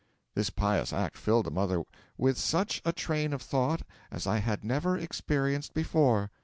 This pious act filled the mother 'with such a train of thought as I had never experienced before.